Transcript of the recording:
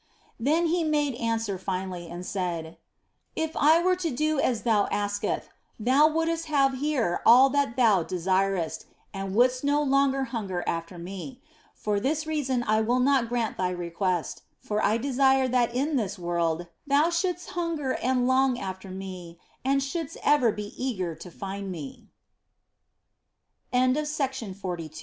Then He made answer finally and said : "If I were to do as thou askest, thou wouldst have here all that thou desirest, and wouldst no longer hunger after Me. For this reason will I not grant thy request, for I desire that in this world thou shouldst hunger and long after Me and shouldst ever be eager to